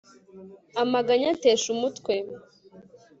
Amaganya atesha umutwe